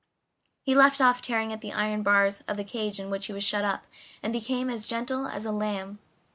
He left off tearing at the iron bars of the cage in which he was shut up, and became as gentle as a lamb.